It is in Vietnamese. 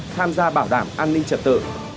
tham gia bảo đảm an ninh trật tự